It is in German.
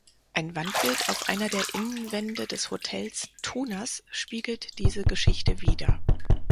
Ein Wandbild auf einer der Innenwände des Hotels "Tunas" spiegelt diese Geschichte wider.